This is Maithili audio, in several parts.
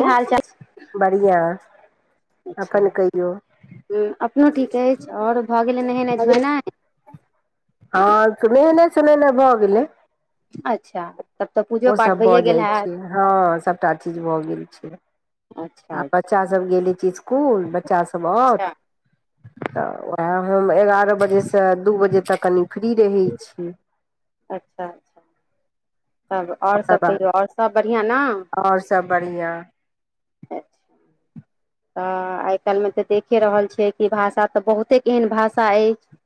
की ओ हाल चाल बढ़िआँ अच्छा अपन कहियौ ह अपनो ठीक अछि आओर भऽ गेलै नहेनाइ धोएनाइ हँ सुनेने सुनेने भऽ गेलै अच्छा तब तऽ पूजो ओ पाठ सब भइए भऽ गेल जाइ हैत छै हँ सबटा चीज भए गेल छै आ अच्छा बच्चा सब गेले चीज कुल बच्चा सब अच्छा आओत तऽ उएह हम एगारह बजे सँ दू बजे तक कनि फ्री रहै छी अच्छा अच्छा तब आओर ओकर सब बाद कहियौ आओर सब बढ़िआँ न आओर सब बढ़िऑं तऽ आइ काल्हि मे तऽ देखे रहल छियै कि भाषा तऽ बहुते एहन भाषा अछि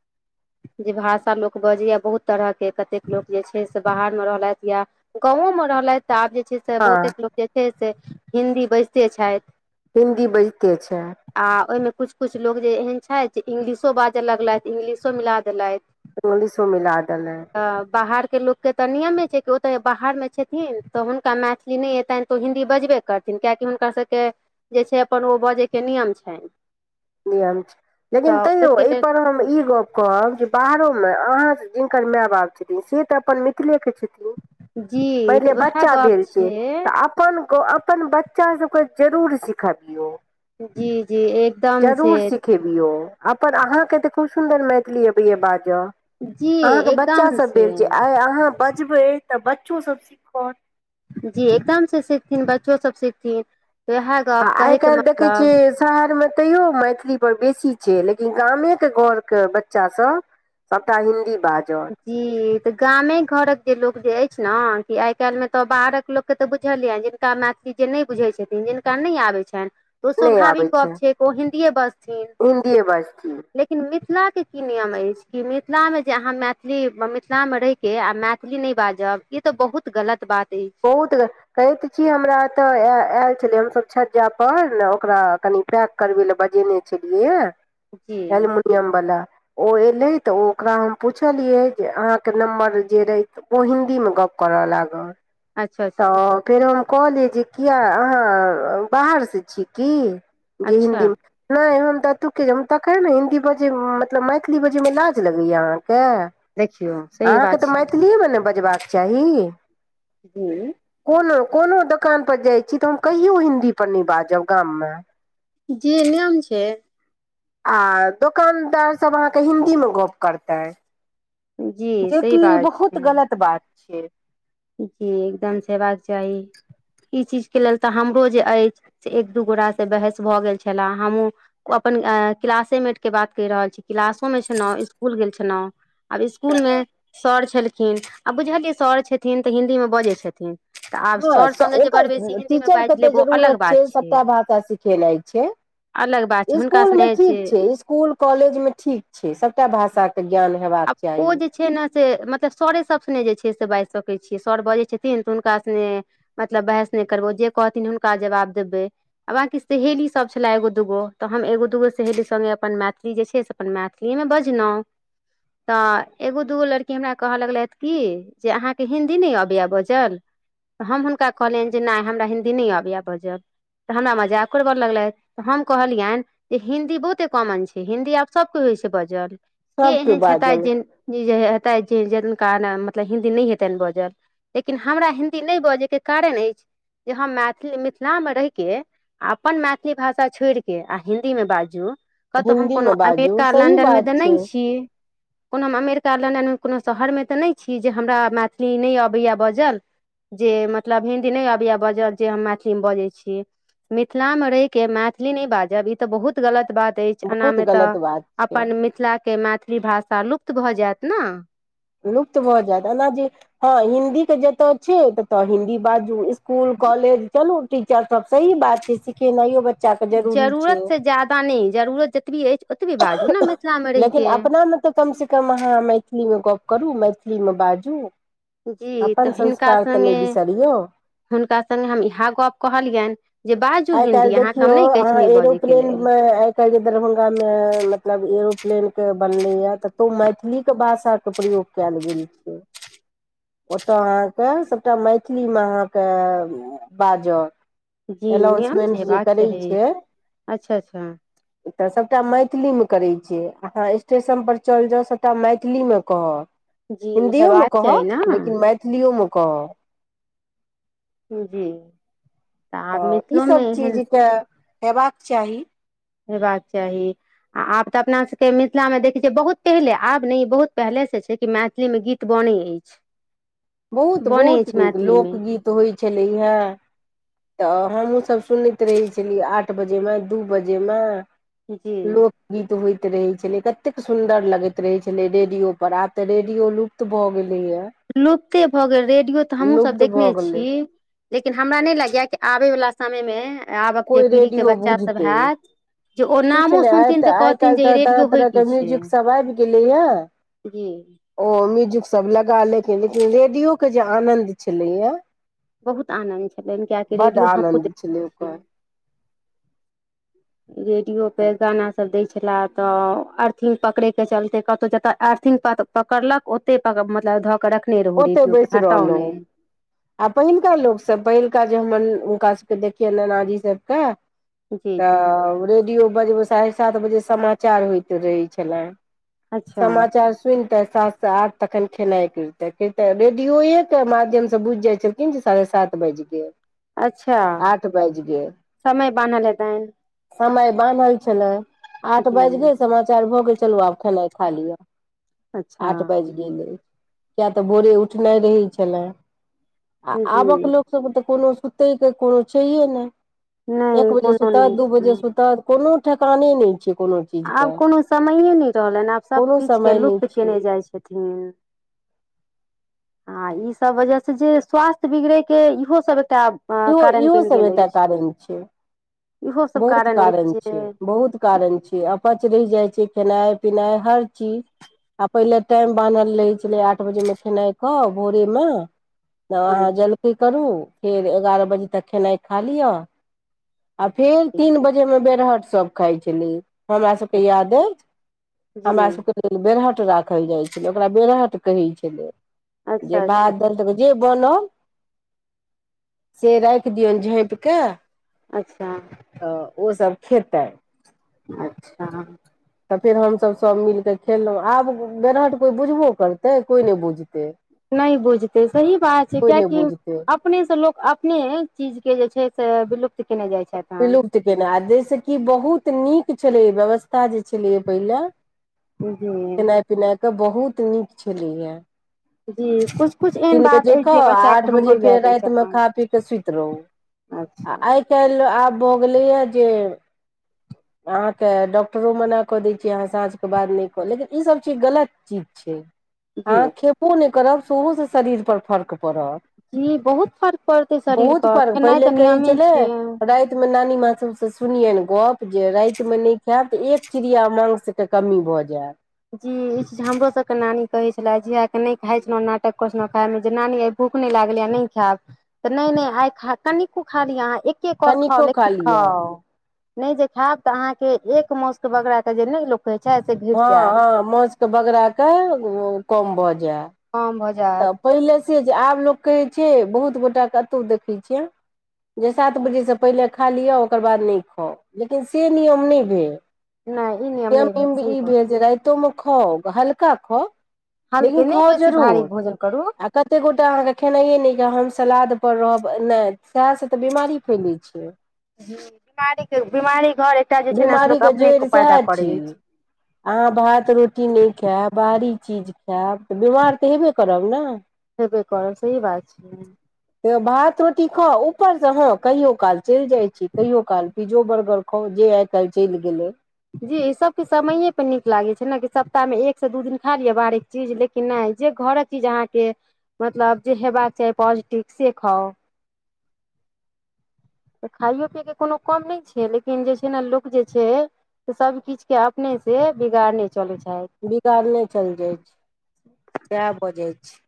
जे भाषा लोक बजैए बहुत तरहके कतेक लोक जे छै से बाहर में रहलथि या गावो मे रहलथि तऽ आब जे छै से हँ बहुतेक लोक जे छै से हिन्दी बैजिते छथि हिन्दी बजिते छै आ ओहिमे किछु किछु लोग जे एहन छथि जे इंग्लिशो बाजय लगलथि इंग्लिशो मिला देलथि इगलिशो मिला देलै तऽ बाहरके लोगके तऽ नियमे छै कि ओतऽ बाहर मे छथिन तऽ हुनका मैथिली नहि एतनि तऽ हिन्दी बजबे करथिन कियकि हुनका सभके जे छै अपन ओ बजयके नियम छनि नियम छै लेकिन तऽ तैयो ओहिके एहि लेल पर हम ई गप कहब जे बाहरो मे अहाँ हिनकर माय बाप छथिन से तऽ अपन मिथिले के छथिन जी पहिेले तऽ उएह बच्चा गप भेल छै तऽ आब कोनगो अपन बच्चा सब के जरूर सिखबियौ जी जी एक जरूर सिखेबियौ अपन अहाँके तऽ खूब सुन्दर मैथिली अबैएा बाजय जी अहाँके एकदम बच्चासभ से बेर जे आइ अहाँ बजबै तऽ बच्चोसभ सीखत जी एकदम सँ सिखथिन बच्चो सब सिखथिन तऽ उएह आ गप्प आइ कहैके काल्हि देखै मतलब छियै शहरमे तैयो मैथिलीपर बेसी छै लेकिन गामेके घरके बच्चासभ सबटा हिन्दी बाजअ जी त गामे घरक जे लोकोग जे अछि ने कि आइ काल्हि मे तऽ बाहरक लोक के तऽ बुझलयन का मैथिली जे नहि बुझै छथिन जिनका नहि आबै छनि ओ नहि आबै स्वभाविक गप छै ओ हिन्दीए बजथिन हिन्दीए बाजथिन लेकिन मिथिला के की नियम अछि कि मिथिला मे जे अहाँ मै थिली मिथिलामे रहिके आ मैथिली नहि बाजब ई तऽ बहुत गलत बात अछि बहुत कहे त छी हमरा तऽ आयल छले हमस छज्जा पर ने ओकरा कनि पैक करबै लए बजेने छलियै हे जी एल्युमिनियम वाला ओ एयलै तऽ ओ ओकरा हम पुछलियै जे अहाँके नम्बर जे रहै ओ हिंन्दी मे गप्प करऽ लागल अच्छा अच्छा तऽ फेरो हम कहलिय जे कियै अहाँ बाहर सँ छी की जे अच्छा हिन्दीमे नहि हम तऽ एतुके जा तखन ने हिन्दी बजै मतलब मैथिली बजैमे लाज लगैया अहाँके देखियौ सही बात अहाँके तऽ छै मैथिलीए मे ने बजबाक चाही जी कोनो कोनो दुकानपर जाइ छी तऽ हम कहियो हिन्दी पर नहि बाजब गाममे जी नियम छै आ दुकानदार सब अहाँके हिन्दी मे गप करतै जी सही जेकि बात बहुत छै गलत बात छै जी एकदम से हेबाका चाही ई चीज के लेल तऽ हमरो जे अछि से एक दू गोट से बहस भऽ गेल छले हमहुँ अपन क्लासेमेट के बात कहि रहल छी क्लासो मे छलहुँ स्कुल गेल छलहुँ आब स्कूल मे तऽ सर छलखिन आ बुझलिय सर छथिन तऽ हिन्दी मे बजै छथिन तऽ आब हँ सर सङ्गे जे बड़ ओकर बेसी हिन्दीमे टीचर के बाजि त लेब ओ अलग जरूरत छै बात सभटा भाषा सिखेनाय छै अलग बात छै हुनका इस्कूल मे सने जे ठीक छै इस्कूल कूल कॉलेज मे ठीक छै सबटा भाषा के ज्ञान हेबाक आब चाही ओ जे छै ने से मतलब सरे सब सने जे छै से बाजि सकै छियै सर बजै छथिन तऽ हुनका सने मतलब बहस नहि करबौ जे कहथिन हुनका जवाब देबै आ बाँकी सहेलीसभ छलए एगो दूगो तऽ हम एगो दूगो सहेली संगे अपन मैथिली जे छै अपन मैथिलीएमे बजलहुँ तऽ एगो दूगो लड़की हमरा कहय लगलथि कि जे अहाँके हिन्दी नहि अबैए बजल? हम हुनका कहलियनि जे नहि हमरा हिन्दी नहि अबय बजब तऽ हमरा मजाकड़ उरबे लगलैत हम कहलियनि जे हिन्दी बहुते कॉमन छै हिन्दी आब सबके होइ छै बजल के सबके एहन छथिन बाजल जे हेतै ज मतलब हिन्दी नहि हेतै बजल लेकिन हमरा हिन्दी नहि बजयके कारण अछि जे हम मैथिली मिथिला मे रहि कऽ अपन मैथिली भाषा छोड़ि कऽ आ हिंन्दीमे बाजू कतो हम हिन्दी मे कोनो बाजू अमेरिका सही लंन्दन मे बात तऽ छै नइ छी कोनो हम अमेरिका लंदन कोनो शहर मे तऽ नहि छी जे हमरा मैथिली नहि अबैए बजल जे मतलब हिंन्दी नहि अबय बजल जे हम मैथिली मे बजै छी मिथिला मे रहि के मैथिली नहि बाजब ई तऽ बहुत गलत बात अछि एना बहुत मे तऽ गलत बात छै अपन मिथिला के मैथिली भाषा लुप्त भऽ जायत न लुप्त भऽ जायत एना जे हँ हिंन्दी के जतय छै ततय हिन्दी बाजू स्कूल कॉलेज चलू टीचर सब सही बात छै सिखेनाइयो बच्चा के जरूरी छै जरूरत से जादा नहि जरूरत जतबी अछि ओतबे बाजू ने मिथिला में लेकिन रहके अपना मे तऽ कम से कम अहाँ मैथिली मे गप्प करू मैथिली मे बाजू जी तऽ अपन हिनका संस्कार तऽ नहि सङ्गे बिसरियो हुनका सने हम इएह गप कहलियनि जे बाजू आइ काल्हि हिन्दी अहाँके हम देखियो नहि कहै छी अहाँ नहि बजयके एरोप्लेन लेल मे कए दरभंगामे मतलब एरोप्लेनके बनलैए ततो मैथिलीके भाषाके प्रयोग कैल गेल छै [inaudible] ओतय अहाँ के सभटा मैथिली मे अहाँ के बाजअ जी नियम छै एनाउंसमेंट जे हेबाक करै चाही छै अच्छा अच्छा तऽ सभटा मैथिली मे करै छै अहाँ स्टेशन पर चलि जाउ सभटा मैथिली मे कहत जी हिंदीओ मे हेबाक चाही कहत ने लेकिन मैथिलिओ मे कहत जी आब तऽ मिथिलोमे ईसभ चीज एहन के हेबाक चाही हेबाक चाही आ आब तऽ अपना सबके मिथिला मे देखैत छियै बहुत पहिले आब ने ई बहुत पहिले से छै कि मैथिली मे गीत बने अछि बहुत बनै बहुत अछि नीक मैथिलीमे लोकगीत होइत छलै हेँ तऽ हमहूँ सभ सुनैत रहै छलियै आठ बजे मे दू बजे मे जी लोक गीत होइत रहे छले कतेक सुन्दर लगैत रहै छले रेडियो पर आब तऽ रेडियो लू प्त भऽ गेलैया लुप्ते भऽ गेल रेडियो तऽ हमहूँ सभ भऽ देखने गेलै छी लेकिन हमरा नहि लगैय कि आबयवला समयमे आबक जे कोइ पीढ़ी के रेडियो बच्चा सभ बुझतै हैत जे ओ किछु नामो नहि आइ सुनथिन तऽ आइ कहथिन काल्हि जे तऽ ई तरह रेडियो होइ तरह के की छै म्यूजिक सब आबि गेलैया जी ओ म्यूजिक सभ लगा लेकिन लेकिन रेडियो के जे आनन्द छलैए बहुत आनन्द छलनि कियाकि रेडियो हमहुँ आनंद छलै देखने छियै ओकर रेडियो पर गाना सभ दै छला तऽ अर्थिंग पकड़ै के चलते कतहु जतऽ अर्थिंग पकड़लक ओते मतलब धऽ कऽ रख ने रहु ओते रेडियो बैस के हटाउ ने रहलहुँ आ पहिलुका लोक सभ पहिलुका जे हमर हुनका सभ के देखियै नानाजी सभ के जी जी तऽ रेडियो बजबै साढ़े सात बजे समाचार होइत रहै छलय अच्छा समाचार सुनते सात से आठ तखन खेनाइ कते के रेडियोए त माध्यम बुझि जाइ छलखिन साढ़े सात बाजि गेल अच्छा आठ बाजि गेल समय बान्हल हेतऽइन समय बान्ह छले आठ बाज जी गेल समाचार भऽ गेल चलू आब खेनाइ खा लिय अच्छा आठ बाज गेले किया तऽ भोरे उठनाइ रहै छले आ आबक जी लोक सभ के तऽ कोनो सुतै के कोनो छैे है नहि एक नहि बजे कोनो नहि सुतत दू बजे छै सुतत कोनो ठेकाने नहि छै कोनो चीज आब कोनो समयए नहि रहलैन आब सभ कोनो किछु के समय नहि लुप्त छै केने जाइ छथिन आ ईसभ वजह से जे स्वास्थ्य बिगड़य के इहो सब एकटा इहो कारण इहो बनि सब गेल एकटा अछि कारण छै इहो सब बहुत कारण अछि छै जे बहुत कारण छै अपच रहि जाइ छै खेनाइ पिनाइ हर चीज आ पहिले टाइम बान्हल रहै छलै आठ बजे मे खेनाइ के भोरे मे तब अहाँ जी जलकेी करू फेर एगारह बजे तक खेनाइ खा लिअ आ फेर जी तीन बजे मे बेरहट सब खाइ छलै हमरा सबके याद अच्छा अछि जी हमरा सबके बेरहट राखल जाइ छलै ओकरा बेरहट कहै छलै जे अच्छा अच्छा बाद दैल जे बनल से राखि दियऔन झाँपिकऽ अच्छा तऽ ओसभ खेतै अच्छा तऽ फेर हमसभ सभ मिलके खेललहुँं आब बेरहट कोइ बुझबो करतै कोइ नहि बुझते नहि बूझते सही बात छै नहि कियाकि बुझतै अपने सँ लोक अपने चीजके जे छै से विलुप्त केने जाइत छथि हन विलुप्त केना आ जाहिसँ कि बहुत नीक छलै व्यवस्था जे छलै पहिले जी पिनाइके बहुत नीक छलीया जी कुछ कुछ एहन तीन बात बजे अछि जे कह बच्चाके आठ बजे हमरो फेर याद अछि राति मे अपन खा पी के सुति रहू आ अच्छा आइ काल आब भो गेले या जे अहाँके डॉक्टरो मना कऽ दै छै अहाँ साँझ के बाद न नहि कह लेकिन ईसभ चीज गलत चीज छै अहाँ जी खेबो नहि करब सेहोसँ शरीरपर फर्क पड़त जी बहुत फर्क पड़तै शरीर बहुत पर फर्क खेनाइ पहिले तऽ कहै नियमे छले छियै राति मे नानी माँ सब से सुनियनि गप जे राति मे नहि खायब तऽ एक चिड़िया मांस के कमी भऽ जायत जी ई चीज हमरो सब के नानी कहे छले जी के नहि खााय छलो नाटक कर छल खाय मे जे नानी आय भूख नहि लागलै नहि खायब त नहि नहि आइ कनो खा लिय अहाँ एक के कर खाउ कनिको खा लेकिन लिअ खाउ नहि जे खायब त अहाँ के एक मास के बगडा के जे नइ लोक कहै छै से हँ घटि जायत हँ माउस के बगरा कऽ कम भऽ जा कम भ तऽ पहिले से जे आब लोक कहैत छै बहुत गोटाके कतहु देखैत छियै जे सात बजे सँ पहिले खा लिअ ओकर बाद नहि खाउ लेकिन से नियम नहि भेल नहि ई नियम नहि भेल अयमे सही ई गप छै, भेल राइतोमे खाउ हल्का खाउ हलके लेकिन नहि खाउ बेसी भारी जरूर भोजन करू आ कते गोटा अहाँके खेनाइयए नहि य हम सलाद पर रहब नहि सएह से तऽ बिमारी फैले छै ह बीमारी बिमारी घर एकटा जे छै ने से बिमारीे लोक के अपने जड़ि पैदा सएह छी करै अछि अहाँ भात रोटी नहि खाय बाहरी चीज खैब तऽ बिमार तऽ हेबे करब ने हेबे करब सही बात छै त भात रोटी खाउ ऊपर से हँ कहियो काल चलि जाइ छी कहियो काल पिज्जो बर्गर खाउ जे आइ काल्हि चलि गेलै जी ई सबके समये पर नीक लागै छै ने कि सप्ताहमे एकसँ दू दिन खा लियअ बारिक चीज लेकिन नहि जे घरक चीज अहाँके मतलब जे हेबाक चाही पॉजिटिव से खाउ तऽ खाइयो पियके कोनो कम नहि छै लेकिन जे छै ने लोक जे छै त सब किछ के अपने से बिगाड़ने चले चाहे बिगारने चलि जाइ छै सैएह बजैत छै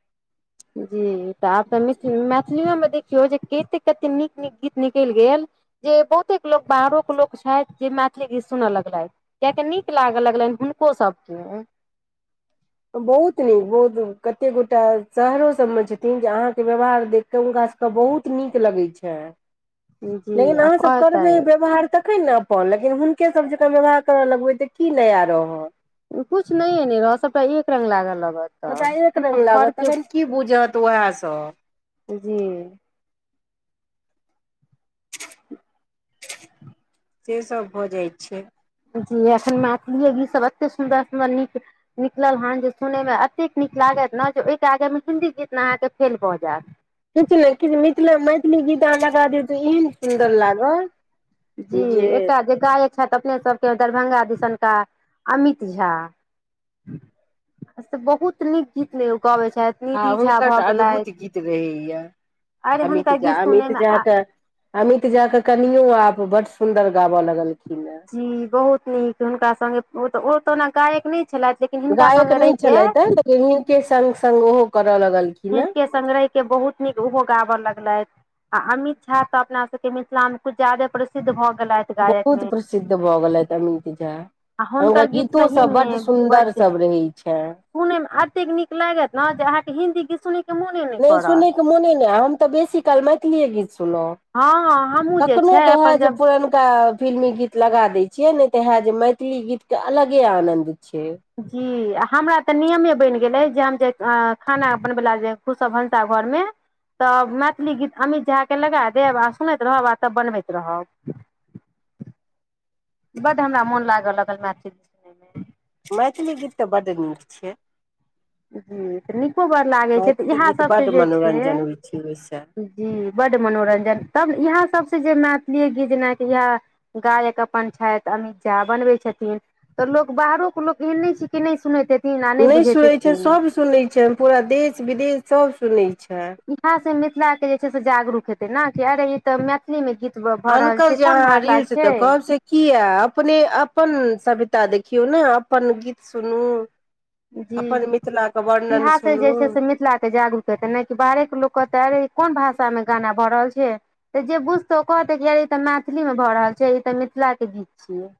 जी तऽ आब तऽ मि मैथिलियोमे देखियौ जे कतेक कतेक नीक नीक गीत निकलि गेल जे बहुते लोक बाहरो के लोक छथि जे मैथिली गीत सुनऽ लगलथि कियाकि नीक लागऽ लगलनि हुनको सबके बहुत नीक बहुत कते गोटा शहरो सब मे छथिन जे अहाँके व्यवहार देख कऽ हुनका सभके बहुत नीक लगै छै जी लेकिन आ अहाँसभ कहतै करबै व्यवहार तखन न ह लेकिन हुनके सब जेका व्यवहार करऽ लगबे तऽ की नया रहत कुछ न‌ए नहि रहत सभटा एक रंग लागऽ लागत सबटा एक रंग लागत तखन की बुझत उएह सब ऽ जी जे सब बजै छै जी एखन मैथिलीये गीतसभ एते सुन्दर सुन्दर नीक निकलल हेन जे सुनयमे एतेक नीक लागत ने जे ओहिके आगेमे हिंन्दी गीत ने अहाँके फेल भऽ जायत किछ ने किछ मिथिला मैथिली गीत अहाँ लगा दियौ तऽ एहन सुन्दर लागत जी एकटा जे गायक छथि अपने सबके दरभंगा दिसनका अमित झा से बहुत नीक गीत ले ओ गाबै छथि हँ निधि झा हुनका भऽ तऽ गेलथि अद्भुत गीत रहैया अरे अमित हुनकर गीत झा सुनय अमित मे झा आ त अमित झा के कनियो आप बड सुदर गाबऽ लगलखिन है जी बहुत नीक हुनका संगेऽ ओ तऽ ओ त ओना गायक नहि छलथि जे गायक नहि छलथि है लेकिन हिनके संग संग ओहो करय लगलखिन हे हिनके संग रहिके बहुत नीक ओहो गाबऽ लगलथि आ अमित झा तऽ अपना सब के मिथिला में कुछ ज्यादे प्रसिद्ध भ गेलथि गायक बहुत मे प्रसिद्ध भऽ गेलैथ अमीत झा आ हुनकर गीत गीतो सही सभ बड सुन्दर सभ रहै छै सुने मे एतेक नीक लागत ने जे अहाँ के हिन्दी गीत सुनैके नहि सुनैके मोने नहि हम तऽ बेसी काल मैथिलीये गीत सुनलहुँ हँ हमहूँ जे कखनो छै क अपन हैत जे जब पुरण टा फिल्मी गीत लगा दै छियै ने तऽ हे जे मैथिली गीत के अलगे आनंद छै जी आ हमरा तऽ नियमे बनि गेलै जे हम जे खाना बनबै ला जे घुसब भनसा घरमे तऽ मैथिली गीत अमित झा के लगा देब आ सुनैत रहब आ तब बनबैत रहब बड्ड हमरा मोन लागऽ लगल मैथिली सुनय मे मैथिली गीत तऽ बड्ड नीक छै जी तऽ नीको बड़ लागै छै तऽ मैथिली इएह गीत सभ सँ बड्ड जे छै मनोरंजन होइ छै ओहिसँ जी बड मनोरंजन तब इहाँ सबसँ जे मैथिलीये गीत जेनाकि इहा गायक अपन छथि अमित झा बनबै छथिन तऽ लोक बाहरोके लोक एहन नहि छै कि नहि सुनैत हेथिन आ नहि बुझैत हेथिन से सभ सुनै छै पूरा देश विदेश सब सुनै छै इहाँ से मिथिला के जे छै से जागरूक हेतै ने कि अरे ई तऽ मैथिली मे गीत भऽ रहल अनकर छै जे कोन अहाँ भाषा रील्स छै देखब से किया अपने अपन सभ्यता देखियऔ न अपन गीत सुनू जी अपन मिथिलाके वर्णन इएह से जे सुनू छै से मिथिला के जागरूक हेतै नहि कि बाहरे के लोक कहतै अरे ई कोन भाषा मे गाना भ रहल छै तऽ जे बुझतै ओ कहतै कि अरे ई तऽ मैथिलीमे भऽ रहल छै ई तऽ मिथिला के गीत छियै